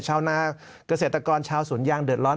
ชาวนาเกษตรกรชาวสวนยางเดือดร้อน